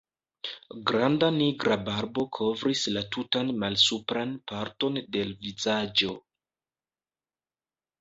Granda nigra barbo kovris la tutan malsupran parton de l' vizaĝo.